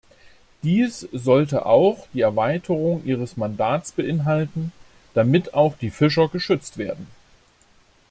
Dies sollte auch die Erweiterung ihres Mandats beinhalten, damit auch die Fischer geschützt werden.